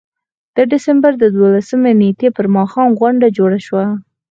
د ډسمبر د دولسمې نېټې پر ماښام غونډه جوړه شوه.